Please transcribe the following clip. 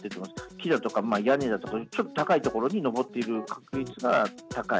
木だとか屋根だとか、ちょっと高い所に登っている確率が高い。